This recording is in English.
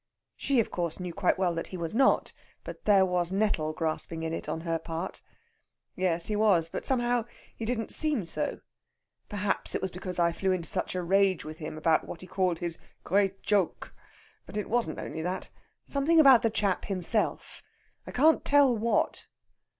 She, of course, knew quite well that he was not, but there was nettle grasping in it on her part. "Yes, he was. But somehow he didn't seem so. Perhaps it was because I flew into such a rage with him about what he called his 'crade chogue.' But it wasn't only that. Something about the chap himself I can't tell what."